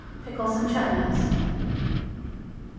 Pickles and Chutneys. 74.